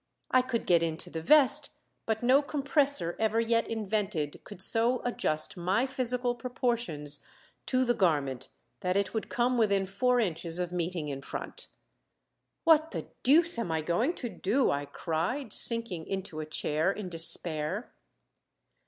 I could get into the vest; but no compressor ever yet invented could so adjust my physical proportions to the garment that it would come within four inches of meeting in front. "What the deuce am I going to do?" I cried, sinking into a chair in despair.